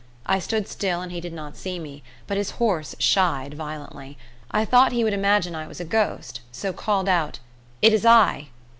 I stood still and he did not see me, but his horse shied violently. I thought he would imagine I was a ghost, so called out: "It is I."